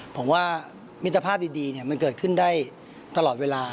ผมว่ามิตรภาพดีมันเกิดขึ้นได้ตลอดเวลา